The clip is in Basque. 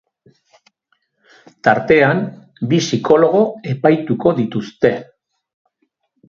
Tartean, bi psikologo epaituko dituzte.